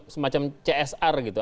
semacam csr gitu